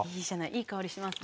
いい香りしますね。